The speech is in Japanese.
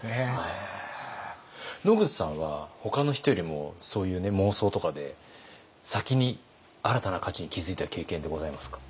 野口さんはほかの人よりもそういう妄想とかで先に新たな価値に気づいた経験ってございますか？